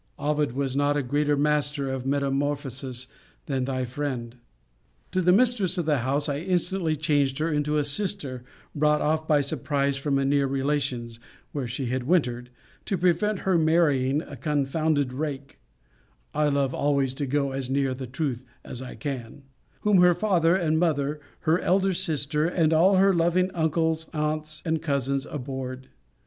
Ovid was not a greater master of metamorphoses than thy friend. To the mistress of the house I instantly changed her into a sister, brought off by surprise from a near relation's, (where she had wintered,) to prevent her marrying a confounded rake, [I love always to go as near the truth as I can,] whom her father and mother, her elder sister, and all her loving uncles, aunts, and cousins abhorred.